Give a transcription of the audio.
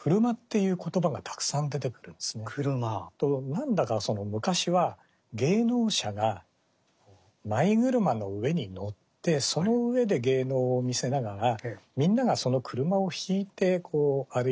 何だか昔は芸能者が舞車の上に乗ってその上で芸能を見せながらみんながその車を引いてこう歩いていく。